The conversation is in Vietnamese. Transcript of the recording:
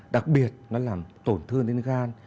đặc biệt nó làm tổn thương đến gan